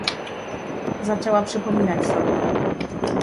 "Zaczęła przypominać sobie."